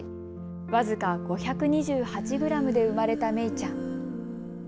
僅か５２８グラムで生まれためいちゃん。